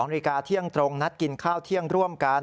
นาฬิกาเที่ยงตรงนัดกินข้าวเที่ยงร่วมกัน